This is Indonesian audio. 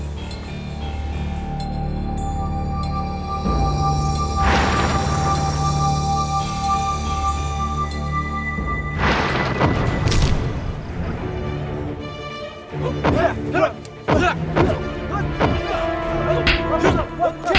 melayang jika saja